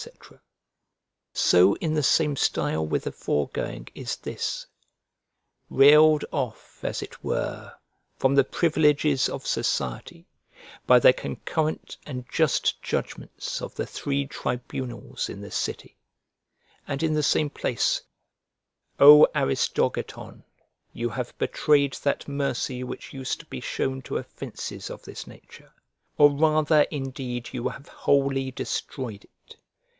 So in the same style with the foregoing is this: "Railed off, as it were, from the privileges of society, by the concurrent and just judgments of the three tribunals in the city." And in the same place: "O Aristogiton! you have betrayed that mercy which used to be shown to offences of this nature, or rather, indeed, you have wholly destroyed it.